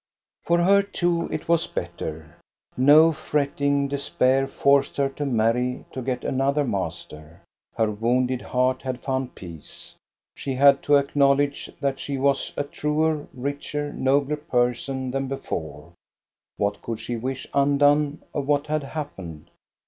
For her too it was better. No fretting despair forced her to marry to get another master. Her wounded heart had found peace. She had to acknowledge that she was a truer, richer, nobler person than before; what could she wish undone of what had happened?